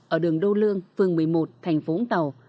ở đường đô lương phường một mươi một tp vũng tàu